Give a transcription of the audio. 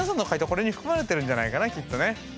これに含まれてるんじゃないかなきっとね。